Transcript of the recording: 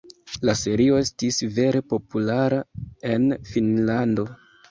La serio estis vere populara en Finnlando.